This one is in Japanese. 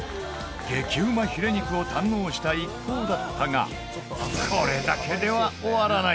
激うまヒレ肉を堪能した一行だったがこれだけでは終わらない！